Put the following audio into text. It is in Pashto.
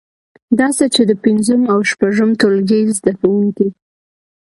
داسې چې د پنځم او شپږم ټولګي زده کوونکی